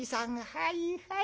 はいはい。